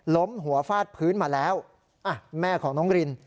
ล้มหัวฟาดพื้นมาแล้วอ่ะแม่ของน้องริน